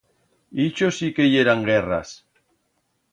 Ixo sí que yeran guerras.